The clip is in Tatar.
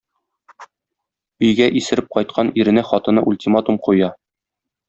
Өйгә исереп кайткан иренә хатыны ультиматум куя